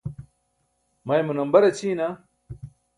maymu nambar aćʰiina